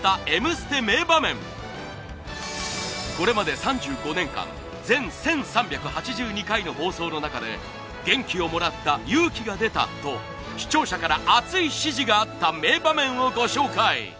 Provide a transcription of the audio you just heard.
これまで３５年間全１３８２回の放送の中で元気をもらった勇気が出たと視聴者から熱い支持があった名場面をご紹介！